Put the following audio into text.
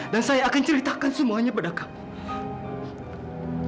dan saya akan ceritakan semuanya pada kamu